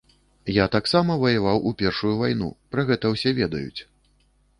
Я таксама ваяваў у першую вайну, пра гэта ўсе ведаюць.